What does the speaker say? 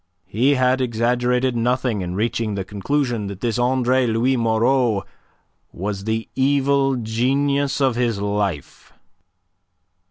He had exaggerated nothing in reaching the conclusion that this Andre Louis Moreau was the evil genius of his life.